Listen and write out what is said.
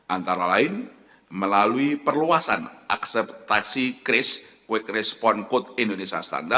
antara lain melalui perluasan akseptasi kris